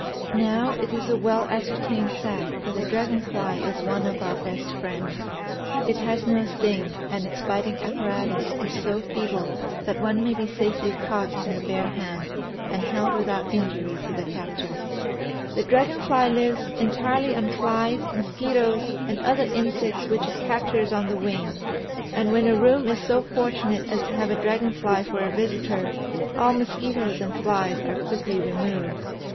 Now it is a well ascertained fact that the dragon fly is one of our best friends; it has no sting and its biting appa ratus is so feeble that one may be safely caught in the bare hand and held without injury to the captor. 210 THE SEVEN FOLLIES OF SCIENCE The dragon fly lives entirely on flies, mosquitoes, and other insects which it captures on the wing, and when a room is so fortunate as to have a dragon fly for a visitor, all mosquitoes and flies are quickly removed.